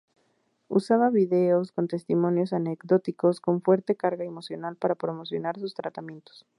Usaba vídeos con testimonios anecdóticos con fuerte carga emocional para promocionar sus tratamientos.